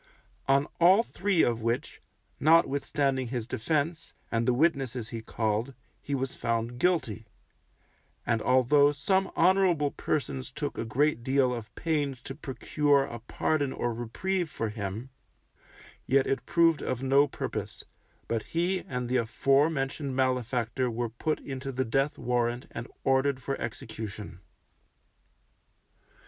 On all three of which, notwithstanding his defence, and the witnesses he called, he was found guilty; and although some honourable persons took a great deal of pains to procure a pardon or reprieve for him, yet it proved of no purpose, but he and the afore mentioned malefactor were put into the death warrant and ordered for execution.